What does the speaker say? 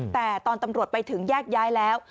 แต่ตอนตำรวจไปถึงแยกย้ายแล้ว